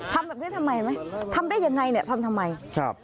ทำแบบนี้ทำไมไหมทำได้ยังไงเนี่ยทำทำไมครับ